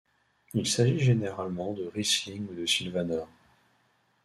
Il s'agit généralement de riesling ou de sylvaner.